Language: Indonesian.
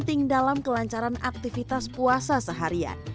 persepi dan peristiwa penuh berhasil untuk mengawasi aktivitas puasa seharian